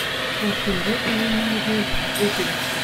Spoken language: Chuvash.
Чӑваш Енре те ку енӗпе йӗрке ҫирӗп.